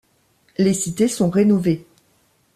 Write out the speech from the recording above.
Les cités sont rénovées.